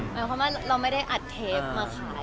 หมายความว่าเราไม่ได้อัดเทปมาขาย